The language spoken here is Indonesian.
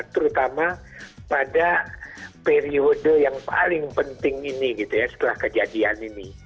terutama pada periode yang paling penting ini gitu ya setelah kejadian ini